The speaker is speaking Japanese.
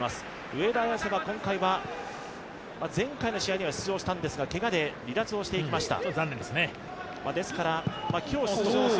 上田綺世は今回は前回の試合には出場したんですがけがで離脱をしてきました。